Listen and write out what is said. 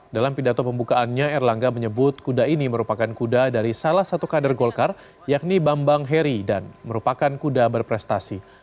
dalam pidato pembukaannya erlangga menyebut kuda ini merupakan kuda dari salah satu kader golkar yakni bambang heri dan merupakan kuda berprestasi